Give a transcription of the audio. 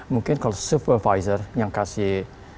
mungkin kalau supervisor yang kasih